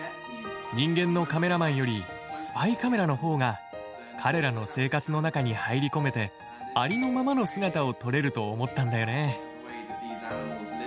人間のカメラマンよりスパイカメラの方が彼らの生活の中に入り込めてありのままの姿を撮れると思ったんだよね。